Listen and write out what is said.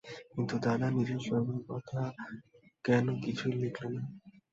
কিন্তু দাদা নিজের শরীরের কথা কেন কিছুই লিখলে না?